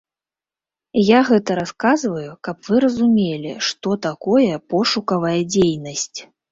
Я гэта расказваю, каб вы разумелі, што такое пошукавая дзейнасць.